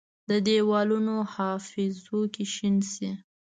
د دیوالونو حافظو کې شین شي،